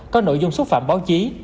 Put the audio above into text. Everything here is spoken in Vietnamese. có nội dung xúc phạm báo chí